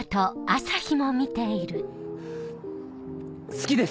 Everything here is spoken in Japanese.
好きです。